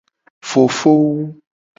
Fofowu.